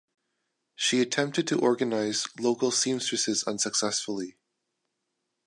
She attempted to organize local seamstresses unsuccessfully.